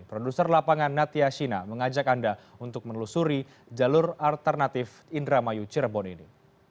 produser lapangan natya shina mengajak anda untuk menelusuri jalur alternatif indramayu cirebon ini